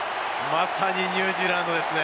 まさにニュージーランドですね！